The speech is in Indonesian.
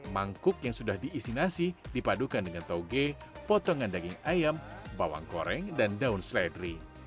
mangkuk yang sudah diisi nasi dipadukan dengan tauge potongan daging ayam bawang goreng dan daun seledri